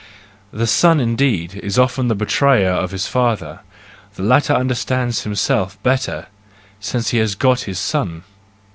The son, indeed, is often the betrayer of his father; 46 THE JOYFUL WISDOM, I the latter understands himself better since he has got his son.